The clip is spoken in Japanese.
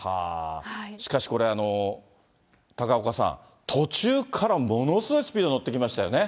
しかしこれ、高岡さん、途中からものすごいスピード乗ってきましたよね。